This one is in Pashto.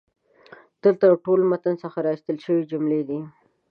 دلته د ټول متن څخه را ایستل شوي جملې دي: